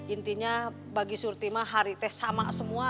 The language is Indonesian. intinya bagi surti mah hari teh sama semua